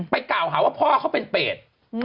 กล่าวหาว่าพ่อเขาเป็นเปรต